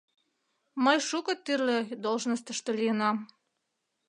Мый шуко тӱрлӧ должностьышто лийынам.